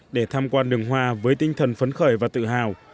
để tham quan đường hoa với tinh thần phấn khởi và tự hào